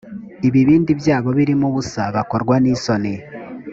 ibibindi byabo birimo ubusa bakorwa n isoni